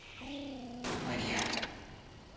間に合う？